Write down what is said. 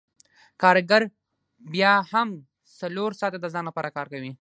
کارګر بیا هم څلور ساعته د ځان لپاره کار کوي